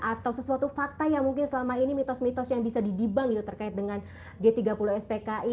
atau sesuatu fakta yang mungkin selama ini mitos mitos yang bisa didibang terkait dengan g tiga puluh s pki